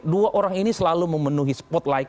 dua orang ini selalu memenuhi spotlight